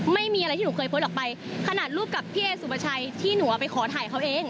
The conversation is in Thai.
ไม่มีอะไรที่หนูเคยโพสต์ออกไปขนาดรูปกับพี่เอสุปชัยที่หนูเอาไปขอถ่ายเขาเอง